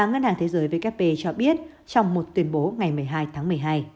ngân hàng thế giới vkp cho biết trong một tuyên bố ngày một mươi hai tháng một mươi hai